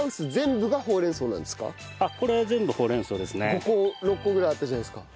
ここの５個６個ぐらいあったじゃないですか。